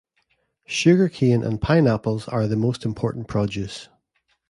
Sugar cane and pineapples are the most important produce.